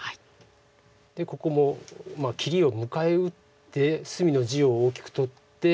でここも切りを迎え撃って隅の地を大きく取って。